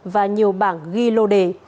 và nhiều bảng ghi lô đề